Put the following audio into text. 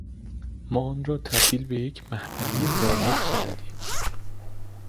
ما آن را تبدیل به یک محلهی واحد کردیم.